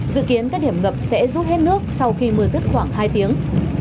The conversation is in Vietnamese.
dự kiến các điểm ngập sẽ rút hết nước sau khi mưa rứt khoảng hai tiếng